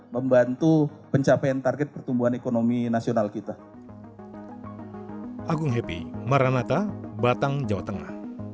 membantu pencapaian target pertumbuhan ekonomi nasional kita